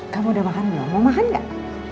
kamu udah makan buah mau makan gak